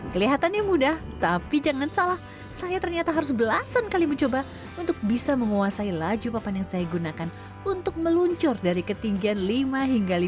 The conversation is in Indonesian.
kelihatannya mudah tapi jangan salah saya ternyata harus belasan kali mencoba untuk bisa menguasai laju papan yang saya gunakan untuk meluncur dari ketinggian lima hingga lima meter